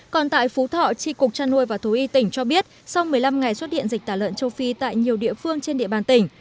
còn tại phú thọ tri cục trăn nuôi và thú y tỉnh cho biết sau một mươi năm ngày xuất hiện dịch tả lợn châu phi tại nhiều địa phương trên địa bàn tỉnh